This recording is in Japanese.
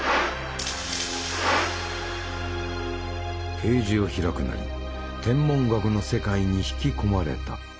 ページを開くなり天文学の世界に引き込まれた。